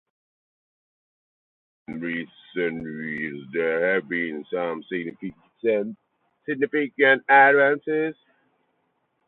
In recent years there have been some significant advances.